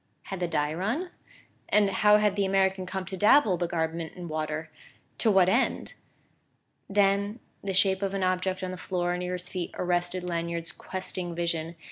Had the dye run? And how had the American come to dabble the garment in water to what end? Then the shape of an object on the floor near his feet arrested Lanyard's questing vision.